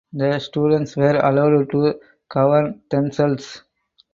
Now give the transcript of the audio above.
The students were allowed to govern themselves.